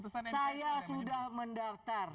saya sudah mendaftar